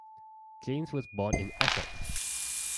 James was born in Essex.